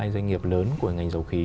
hai doanh nghiệp lớn của ngành dầu khí